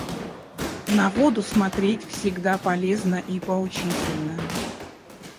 На воду смотреть всегда полезно и поучительно.